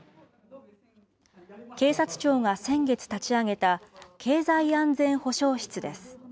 警察庁が先月立ち上げた経済安全保障室です。